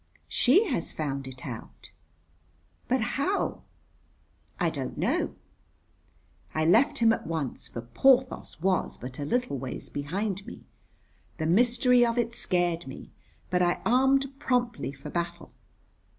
"She has found it out." "But how?" "I don't know." I left him at once, for Porthos was but a little way behind me. The mystery of it scared me, but I armed promptly for battle.